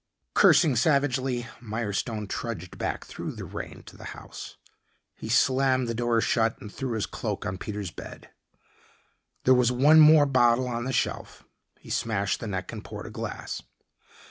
Cursing savagely, Milestone trudged back through the rain to the house. He slammed the door shut and threw his cloak on Peter's bed. There was one more bottle on the shelf; he smashed the neck and poured a glass.